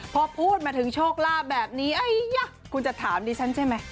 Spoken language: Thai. พอพูดมาถึงโชคลาภแบบนี้คุณจะถามดิฉันใช่ไหม